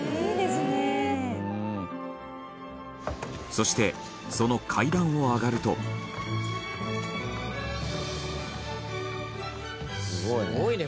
そしてその階段を上がると田中：すごいね。